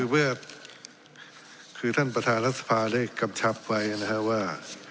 เมื่อคือท่านประธานรัฐสภาได้กำชับไว้นะครับว่า